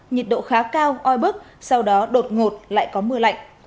nhiệt độ khá cao oi bức sau đó đột ngột lại có mưa lạnh